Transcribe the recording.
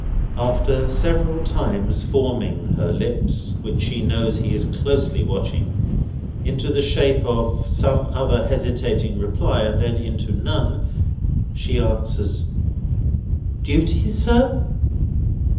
After several times forming her lips, which she knows he is closely watching, into the shape of some other hesitating reply, and then into none, she answers: "Duty, sir?"